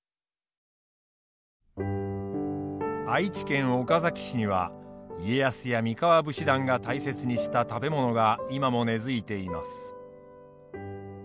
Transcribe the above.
愛知県岡崎市には家康や三河武士団が大切にした食べ物が今も根づいています。